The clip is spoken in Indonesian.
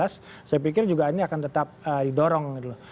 saya pikir juga ini akan tetap didorong gitu loh